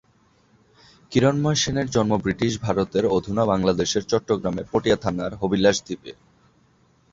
কিরণময় সেনের জন্ম বৃটিশ ভারতের অধুনা বাংলাদেশের চট্টগ্রামের পটিয়া থানার হাবিলাসদ্বীপে।